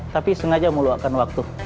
tapi sengaja mau luarkan waktu